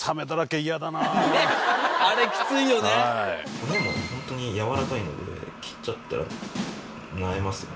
骨もホントにやわらかいので切っちゃったらなえます。